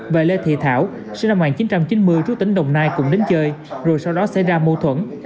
và lê thị thảo sinh năm một nghìn chín trăm chín mươi trú tỉnh đồng nai cùng đến chơi rồi sau đó xảy ra mâu thuẫn